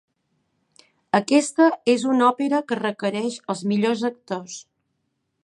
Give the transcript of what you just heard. Aquesta és una òpera que requereix els millors actors.